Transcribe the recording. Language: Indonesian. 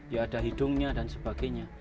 ya ada hidungnya dan sebagainya